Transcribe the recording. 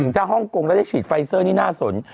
ถ้าฮ่องกงแล้วได้ฉีดไฟเซอร์นี่น่าสน